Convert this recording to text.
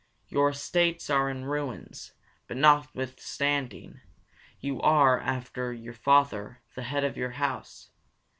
Your estates are in ruins; but not withstanding, you are, after your father, the head of your house.